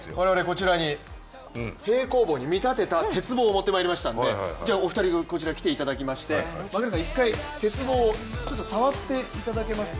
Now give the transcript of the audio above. こちらに、平行棒に見立てた鉄棒を持ってまいりましたのでお二人にこちらへ来ていただきまして槙原さん、１回、鉄棒を触っていただけます？